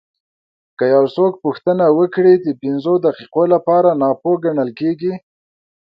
که یو څوک پوښتنه وکړي د پنځو دقیقو لپاره ناپوه ګڼل کېږي.